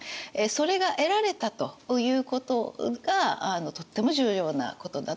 それが得られたということがとっても重要なことだと思います。